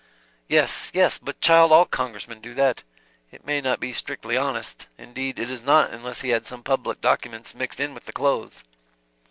"Yes, yes, but child, all Congressmen do that. It may not be strictly honest, indeed it is not unless he had some public documents mixed in with the clothes."